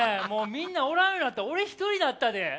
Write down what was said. もうみんなおらんようになって俺１人になったで。